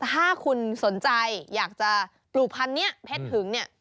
ถ้าคุณสนใจอยากจะปลูกพันธุ์นี้เพชรหึงเนี่ย